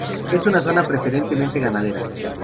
Es una zona preferentemente ganadera.